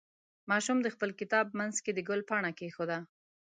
ماشوم د خپل کتاب منځ کې د ګل پاڼه کېښوده.